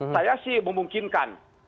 saya sih memungkinkan